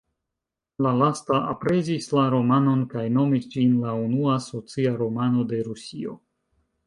La lasta aprezis la romanon kaj nomis ĝin la unua "socia romano" de Rusio.